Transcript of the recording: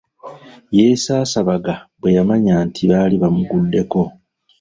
Yesaasabaga bwe yamanya nti baali bamuguddeko.